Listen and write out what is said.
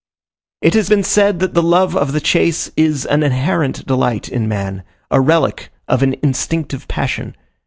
It has been said, that the love of the chase is an inherent delight in man a relic of an instinctive passion.